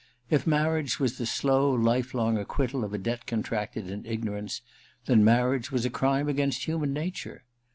If marriage was the slow life long acquittal of a debt contracted in ignorance, then marriage was a crime against human nature.